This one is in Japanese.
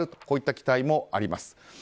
こういった期待もあります。